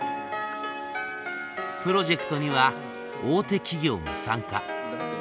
プロジェクトには大手企業も参加。